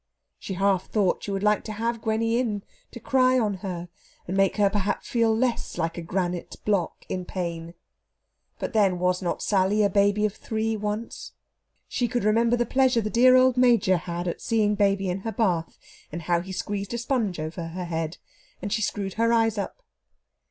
She half thought she would like to have Gwenny in, to cry on her and make her perhaps feel less like a granite block in pain. But, then, was not Sally a baby of three once? She could remember the pleasure the dear old Major had at seeing baby in her bath, and how he squeezed a sponge over her head, and she screwed her eyes up.